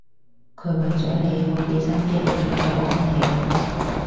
佢為咗你好畀心機去做咗個驚喜